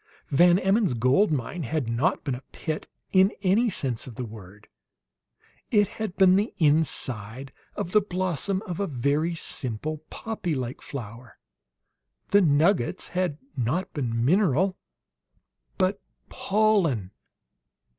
Van Emmon's "gold mine" had not been a pit in any sense of the word; it had been the inside of the blossom of a very simple, poppy like flower. The "nuggets" had been not mineral, but pollen.